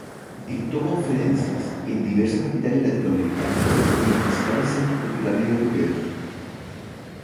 Dictó conferencias en diversas capitales latinoamericanas y en los principales centros culturales europeos.